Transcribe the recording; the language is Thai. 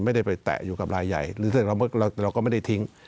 ไม่ได้ไปแตะอยู่กับลายใหญ่หรือเราก็ไม่ได้ทิ้ง